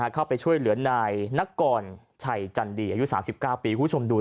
เข้าไปช่วยเหลือนายนักกรไฉจันทร์ดีอายุ๓๙ปี